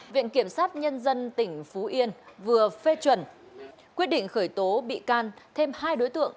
viện kiểm sát nhân dân tỉnh phú yên vừa phê chuẩn quyết định khởi tố bị can thêm hai đối tượng